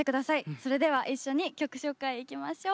それでは一緒に曲紹介いきましょう。